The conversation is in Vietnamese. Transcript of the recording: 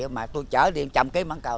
mà tôi chở đi một trăm linh ký bán cầu